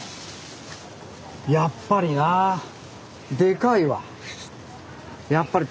やっぱりなでかいわやっぱり。